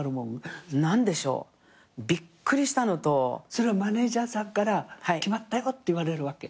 それはマネジャーさんから「決まったよ」って言われるわけ？